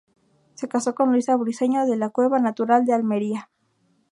Se casó con Luisa Briceño de la Cueva, natural de Almería.